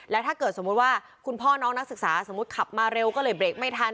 แล้วถ้าเกิดสมมุติว่าคุณพ่อน้องนักศึกษาสมมุติขับมาเร็วก็เลยเบรกไม่ทัน